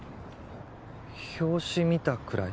表紙見たくらい？